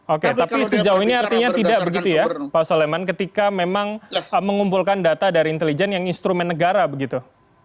oke tapi sejauh ini artinya tidak begitu ya pak soleman ketika memang mengumpulkan data dari intelijen yang instrumen negara begitu